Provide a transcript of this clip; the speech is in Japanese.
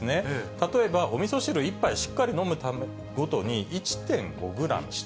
例えばおみそ汁１杯、しっかり飲むごとに１．５グラム。